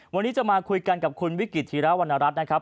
วันนี้จะมาคุยกันกับคุณวิกฤตธิระวรรณรัฐนะครับ